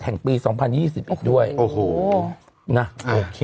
แห่งปี๒๐๒๐อีกด้วยโอ้โหนะโอเค